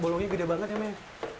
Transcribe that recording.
bolongnya gede banget ya ma emi